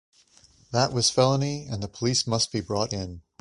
That was felony, and the police must be brought in.